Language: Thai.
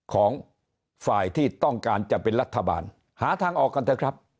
ของฝ่ายที่ต้องการจะเป็นรัฐบาลหาทางออกกันเถอะครับ